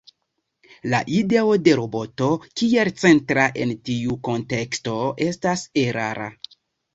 La ideo de roboto kiel centra en tiu kunteksto estas erara.